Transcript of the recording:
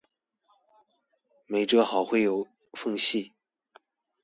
沒摺好會有縫隙